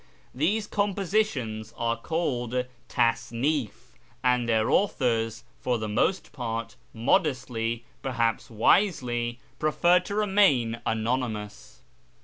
These compositions are called tasnif, and their authors, for the most part, modestly — perhaps wisely — prefer to remain anonymous.